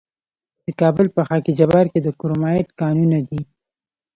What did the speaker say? د کابل په خاک جبار کې د کرومایټ کانونه دي.